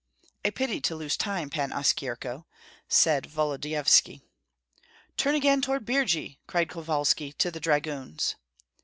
"A pity to lose time, Pan Oskyerko," said Volodyovski. "Turn again toward Birji!" cried Kovalski to the dragoons.